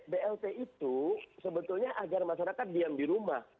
blt itu sebetulnya agar masyarakat diam di rumah